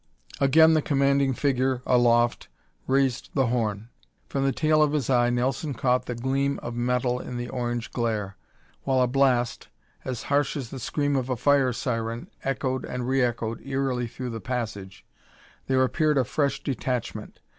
Again the commanding figure aloft raised the horn. From the tail of his eye Nelson caught the gleam of metal in the orange glare. While a blast, harsh as the scream of a fire siren, echoed and re echoed eerily through the passage, there appeared a fresh detachment.